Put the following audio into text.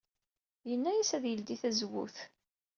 Yenna-as ad yeldey tazewwut.